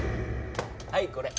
はいこれ。